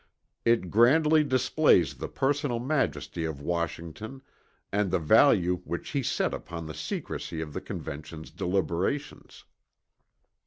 It grandly displays the personal majesty of Washington, and the value which he set upon the secrecy of the Convention's deliberations.